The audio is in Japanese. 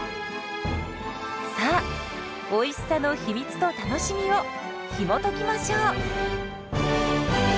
さあおいしさの秘密と楽しみをひもときましょう！